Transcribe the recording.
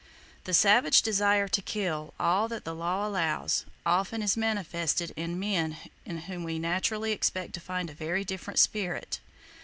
The savage desire to kill "all that the law allows" often is manifested in men in whom we naturally expect to find a very different spirit.